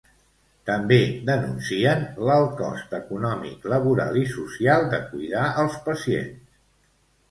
També denuncien l'alt cost econòmic, laboral i social de cuidar els pacients.